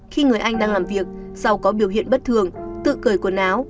khi người anh đang làm việc sau có biểu hiện bất thường tự cởi quần áo